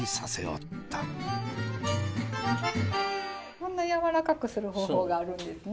こんなやわらかくする方法があるんですね。